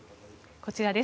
こちらです。